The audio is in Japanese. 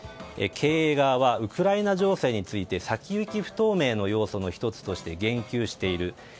経営側はウクライナ情勢について先行き不透明の要素の１つとして言及している。